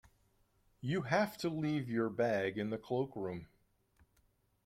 You have to leave your bag in the cloakroom